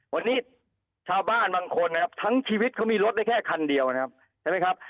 วันนี้ชาวบ้านบางคนนะครับทั้งชีวิตเขามีรถได้แค่คันเดียวนะครับใช่ไหมครับ